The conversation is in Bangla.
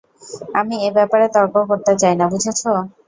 আমি এ ব্যাপারে তর্ক করতে চাই না, বুঝেছ?